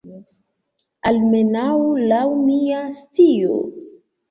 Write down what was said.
Almenaŭ laŭ mia scio.